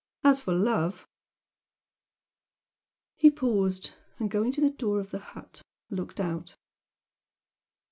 As for love " He paused, and going to the door of the hut looked out.